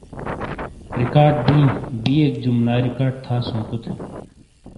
ریکارڈ بیں بیک جملہ ریکارڈ تھاسو کوتے